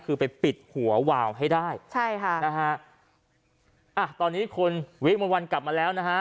คือไปปิดหัววาวให้ได้ใช่ค่ะนะฮะอ่ะตอนนี้คนวิมวลวันกลับมาแล้วนะฮะ